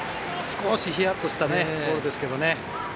少しヒヤッとしたボールですけどね。